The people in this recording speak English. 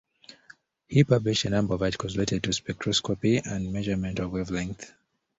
He published a number of articles related to spectroscopy and the measurement of wavelengths.